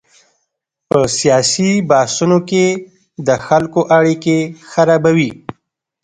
په سیاسي بحثونو کې د خلکو اړیکې خرابوي.